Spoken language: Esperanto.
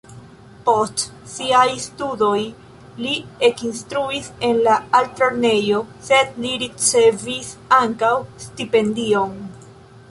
Post siaj studoj li ekinstruis en la altlernejo, sed li ricevis ankaŭ stipendion.